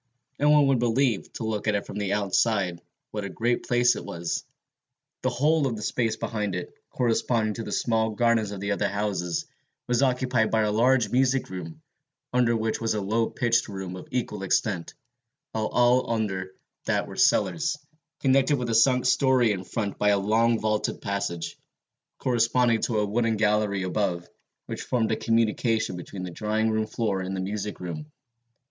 No one would believe, to look at it from the outside, what a great place it was. The whole of the space behind it, corresponding to the small gardens of the other houses, was occupied by a large music room, under which was a low pitched room of equal extent, while all under that were cellars, connected with the sunk story in front by a long vaulted passage, corresponding to a wooden gallery above, which formed a communication between the drawing room floor and the music room.